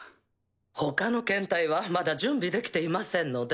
ほかの検体はまだ準備出来ていませんので。